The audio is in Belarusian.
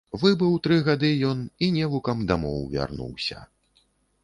Выбыў тры гады ён і невукам дамоў вярнуўся.